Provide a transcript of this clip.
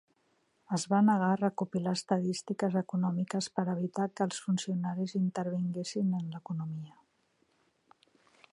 Es va negar a recopilar estadístiques econòmiques per evitar que els funcionaris intervinguessis en l'economia.